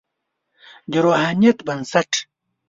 د روحانیت بنسټ.